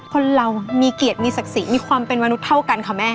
คนเรามีเกียรติมีศักดิ์ศรีมีความเป็นมนุษย์เท่ากันค่ะแม่